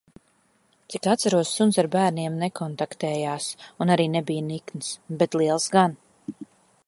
Cik atceros suns ar bērniem nekontaktējās un arī nebija nikns, bet liels gan.